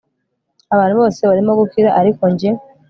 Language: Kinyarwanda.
abantu bose barimo gukira ariko njye